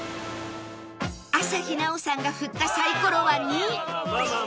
朝日奈央さんが振ったサイコロは２